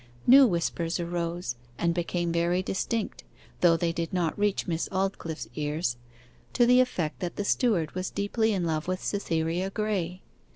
New whispers arose and became very distinct (though they did not reach Miss Aldclyffe's ears) to the effect that the steward was deeply in love with Cytherea Graye.